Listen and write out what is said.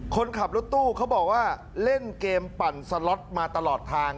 คนขับรถตู้เขาบอกว่าเล่นเกมปั่นสล็อตมาตลอดทาง